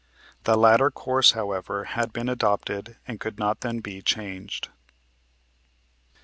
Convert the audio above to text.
The latter course, however, had been adopted and could not then be changed.